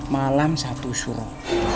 malam satu suruh